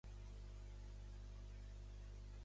Em va dir amb un somrís a la boca.